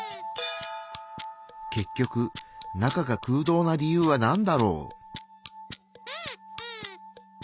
結局中が空洞な理由はなんだろう？